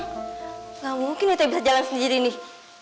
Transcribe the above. enggak mungkin tehnya bisa jalan sendiri nih